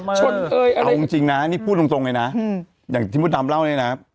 เอาจริงจริงน่ะนี่พูดตรงตรงเลยน่ะอืมอย่างที่พ่อดำเล่าเลยน่ะ